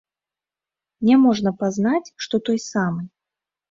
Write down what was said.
Няможна пазнаць, што той самы.